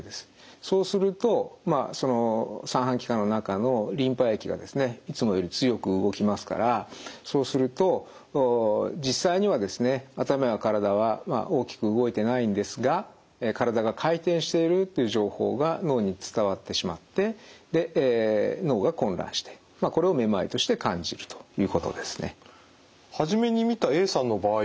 そうするとその三半規管の中のリンパ液がですねいつもより強く動きますからそうすると実際にはですね頭や体は大きく動いてないんですが体が回転しているっていう情報が脳に伝わってしまってで脳が混乱してまあこれをめまいとして感じるということですね。